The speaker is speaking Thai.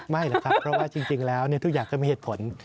ไม่หรอกครับเพราะว่าจริงแล้วทุกอย่างก็มีเหตุผล